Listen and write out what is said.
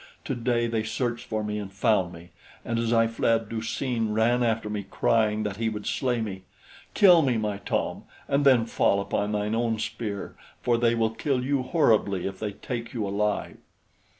Today they searched for me and found me; and as I fled, Du seen ran after me crying that he would slay me. Kill me, my Tom, and then fall upon thine own spear, for they will kill you horribly if they take you alive."